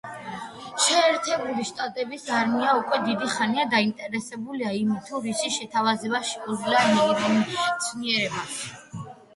შეერთებული შტატების არმია უკვე დიდი ხანია დაინტერესებული იმით, თუ რისი შეთავაზება შეუძლია ნეირომეცნიერებას.